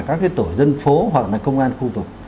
các tổ dân phố hoặc là công an khu vực